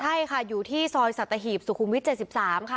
ใช่ค่ะอยู่ที่ซอยสัตหีบสุขุมวิทย๗๓ค่ะ